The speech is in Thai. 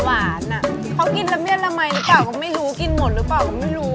อ่ะเขากินละเมียดละมัยหรือเปล่าก็ไม่รู้กินหมดหรือเปล่าก็ไม่รู้